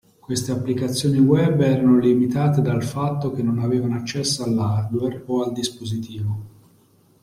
Queste applicazioni web erano limitate dal fatto che non avevano accesso all'hardware o al dispositivo.